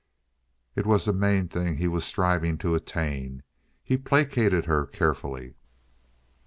It was the main thing he was striving to attain. He placated her carefully.